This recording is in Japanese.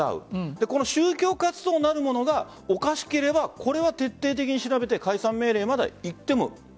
宗教活動なるものがおかしければこれは徹底的に調べて解散命令までいっても。